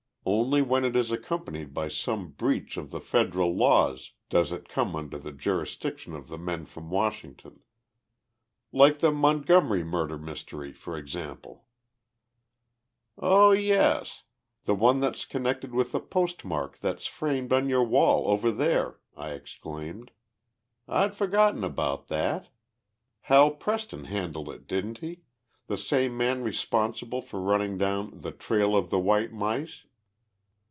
Only when it is accompanied by some breach of the federal laws does it come under the jurisdiction of the men from Washington. Like the Montgomery murder mystery, for example." "Oh yes, the one connected with the postmark that's framed on your wall over there!" I exclaimed. "I'd forgotten about that. Hal Preston handled it, didn't he the same man responsible for running down 'The Trail of the White Mice'?"